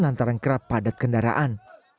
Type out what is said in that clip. antara kerap padat kendaraan